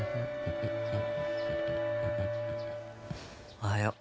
・おはよう。